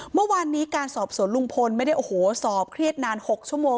เมื่อวานนี้การสอบสวนลุงพลไม่ได้โอ้โหสอบเครียดนาน๖ชั่วโมง